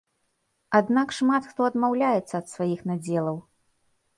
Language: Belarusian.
Аднак шмат хто адмаўляецца ад сваіх надзелаў.